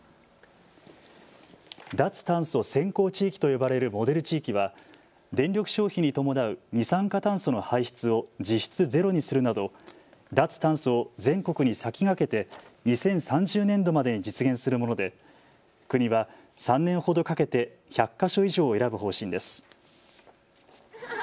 脱炭素先行地域と呼ばれるモデル地域は電力消費に伴う二酸化炭素の排出を実質ゼロにするなど脱炭素を全国に先駆けて２０３０年度までに実現するもので、国は３年ほどかけて１００か所以上を選ぶ方針です。